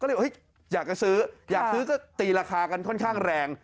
ก็เลยอยากจะซื้ออยากซื้อก็ตีราคากันค่อนข้างแรง